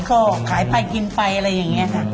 ก็ขายไปกินไปอะไรอย่างนี้ค่ะ